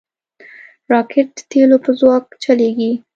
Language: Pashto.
راکټ د تیلو په ځواک چلیږي